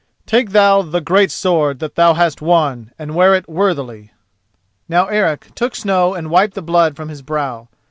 Take thou the great sword that thou hast won and wear it worthily." Now Eric took snow and wiped the blood from his brow.